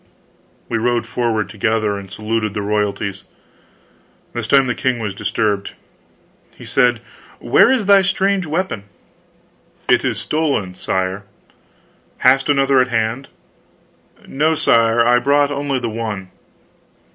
We rode forward together, and saluted the royalties. This time the king was disturbed. He said: "Where is thy strange weapon?" "It is stolen, sire." "Hast another at hand?" "No, sire, I brought only the one."